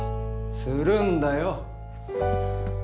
・するんだよ。